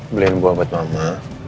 beliin buah buat mama